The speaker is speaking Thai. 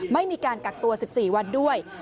ไม่มีการกักตัว๑๔วันด้วย